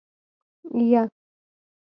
يه.